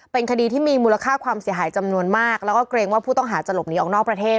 เป็นคดีที่มีมูลค่าความเสียหายจำนวนมากแล้วก็เกรงว่าผู้ต้องหาจะหลบหนีออกนอกประเทศ